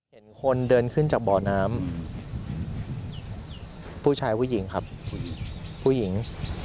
เห็นคนเดินขึ้นจากบ่อน้ำผู้ชายผู้หญิงครับผู้หญิง